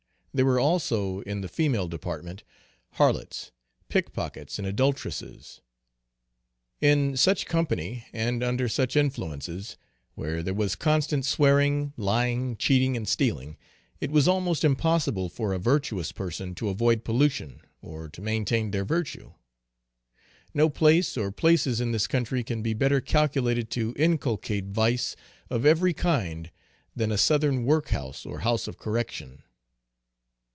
There were also in the female department, harlots, pick pockets, and adulteresses. In such company, and under such influences, where there was constant swearing, lying, cheating, and stealing, it was almost impossible for a virtuous person to avoid pollution, or to maintain their virtue. No place or places in this country can be better calculated to inculcate vice of every kind than a Southern work house or house of correction.